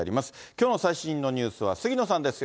きょうの最新のニュースは杉野さんです。